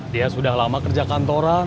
dia sudah lama kerja kantoran